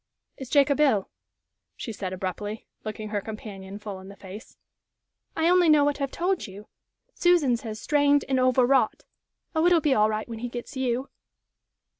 "Is Jacob ill?" she said, abruptly, looking her companion full in the face. "I only know what I've told you. Susan says 'strained and overwrought.' Oh, it'll be all right when he gets you!"